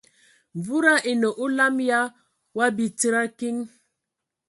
Wuda anə olam ya wa bi tsid a kiŋ.